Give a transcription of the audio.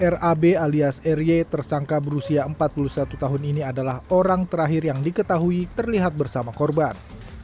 rab alias ry tersangka berusia empat puluh satu tahun ini adalah orang terakhir yang diketahui terlihat bersama korban